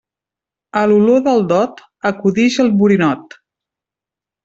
A l'olor del dot, acudix el borinot.